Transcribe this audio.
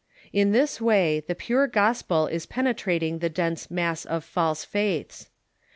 In this way the pure gospel is penetrating the dense mass of false faiths.